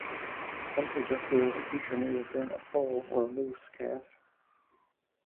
Some suggested that the creature may have been a foal or a moose calf.